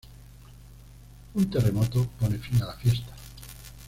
Un terremoto pone fin a la fiesta.